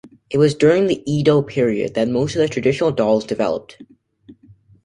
It was during the Edo period that most of the traditional dolls developed.